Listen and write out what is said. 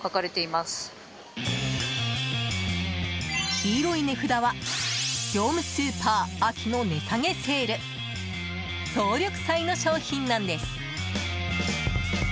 黄色い値札は業務スーパー秋の値下げセール総力祭の商品なんです。